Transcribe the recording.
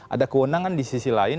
ada kewenangan di sisi lain